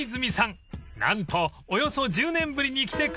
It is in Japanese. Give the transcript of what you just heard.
［何とおよそ１０年ぶりに来てくれました］